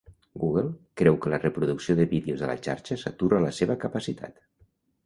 Google creu que la reproducció de vídeos a la xarxa satura la seva capacitat.